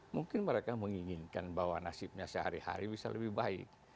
mungkin mereka menginginkan bahwa nasibnya sehari hari bisa lebih baik